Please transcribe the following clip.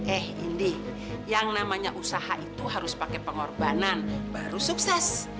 eh ini yang namanya usaha itu harus pakai pengorbanan baru sukses